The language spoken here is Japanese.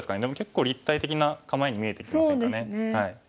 でも結構立体的な構えに見えてきませんかね。